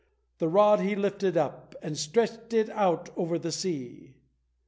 This rod he lifted up, and stretched it out over the sea.